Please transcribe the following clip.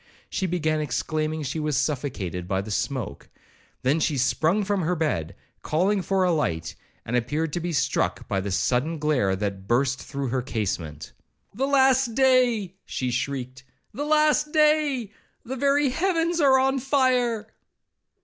She began exclaiming she was suffocated by the smoke; then she sprung from her bed, calling for a light, and appeared to be struck by the sudden glare that burst through her casement.—'The last day,' she shrieked, 'The last day! The very heavens are on fire!'